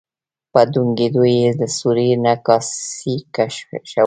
په ډونګیدو یې له سوري نه کاسې کشولې.